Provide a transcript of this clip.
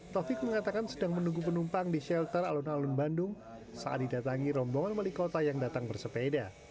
taufik mengatakan sedang menunggu penumpang di shelter alun alun bandung saat didatangi rombongan wali kota yang datang bersepeda